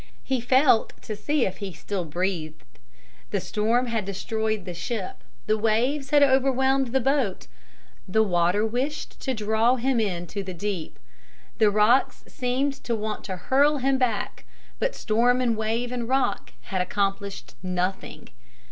He felt to see if he still breathed. The storm had destroyed the ship. The waves had overwhelmed the boat. The water wished to draw him into the deep. The rocks seemed to want to hurl him back, but storm and wave and rock had accomplished nothing.